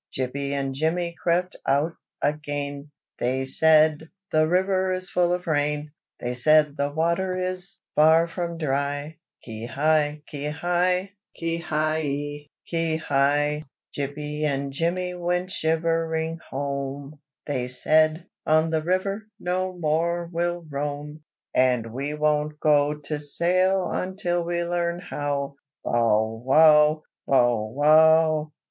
2. Jippy and Jimmy crept out again, They said, "the river is full of rain!" They said, "the water is far from dry," Ki hi! ki hi! ki hi yi! ki hi! 3. Jippy and Jimmy went shivering home, They said, "on the river no more we'll roam! And we won't go to sail until we learn how," Bow wow! bow wow!